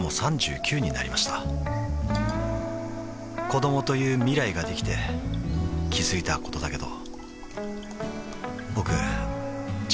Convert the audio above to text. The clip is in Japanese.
子どもという未来ができて気づいたことだけど